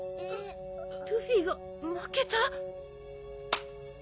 ルフィが負けた！？